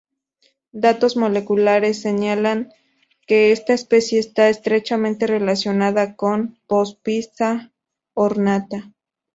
Datos moleculares señalan que esta especie está estrechamente relacionada con "Poospiza ornata".